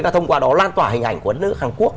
và thông qua đó lan tỏa hình ảnh của nước hàn quốc